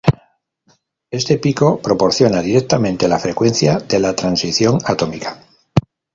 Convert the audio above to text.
Este pico proporciona directamente la frecuencia de la transición atómica.